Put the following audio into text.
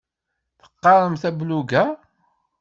Teqqaremt ablug-a?